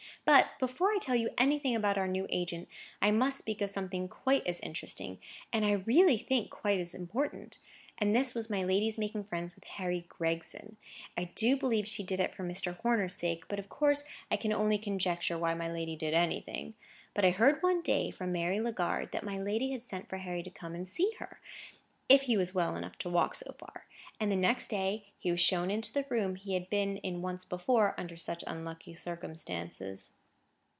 But, before I tell you anything about our new agent, I must speak of something quite as interesting, and I really think quite as important. And this was my lady's making friends with Harry Gregson. I do believe she did it for Mr. Horner's sake; but, of course, I can only conjecture why my lady did anything. But I heard one day, from Mary Legard, that my lady had sent for Harry to come and see her, if he was well enough to walk so far; and the next day he was shown into the room he had been in once before under such unlucky circumstances.